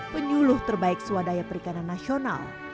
penyuluh terbaik swadaya perikanan nasional